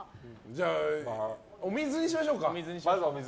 じゃあ、お水にしましょうか。